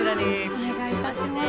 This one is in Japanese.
お願いいたします。